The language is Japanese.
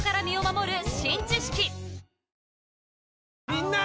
みんな！